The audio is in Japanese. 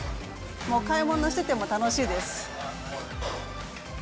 もう買い物してても楽しいです。